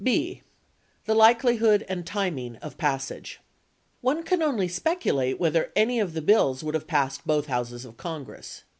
44 5. The Likelihood and Timing of Passage One can only speculate whether any of the bills would have passed both Houses of Congress.